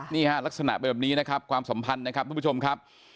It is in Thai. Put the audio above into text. นี่ลักษณะเป็นแบบนี้นะครับความสัมพันธ์นะครับ